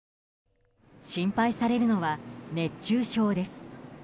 心配されるのは、熱中症です。